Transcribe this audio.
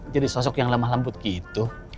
sosok yang lemah lembut gitu